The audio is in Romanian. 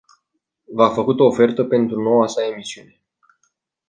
V-a făcut o ofertă pentru noua sa emisiune.